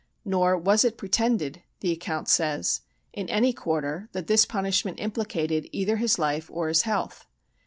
"Nor was it pretended," the account says, "in any quarter, that this punishment implicated either his life or his health."